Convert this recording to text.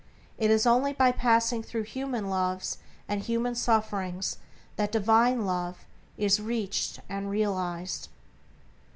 It is only by passing through human loves and human sufferings that Divine Love is reached and realized.